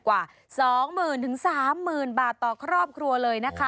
กว่า๒๐๐๐๓๐๐๐บาทต่อครอบครัวเลยนะคะ